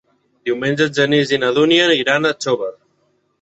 Diumenge en Genís i na Dúnia iran a Xóvar.